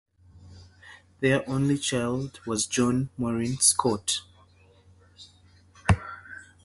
Their only child was John Morin Scott.